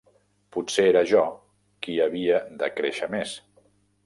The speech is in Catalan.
Potser era jo qui havia de créixer més.